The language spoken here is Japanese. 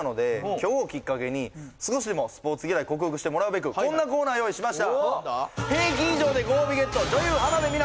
今日をきっかけに少しでもスポーツ嫌いを克服してもらうべくこんなコーナーを用意しました